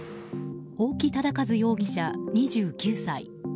大木賢壱容疑者、２９歳。